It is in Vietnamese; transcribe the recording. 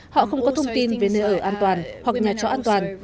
họ không có thông tin về nơi ở an toàn hoặc nhà trọ an toàn